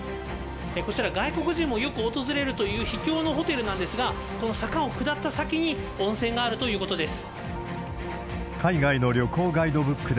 こちら、外国人もよく訪れるという秘境のホテルなんですが、この坂を下った先に温泉があるということです。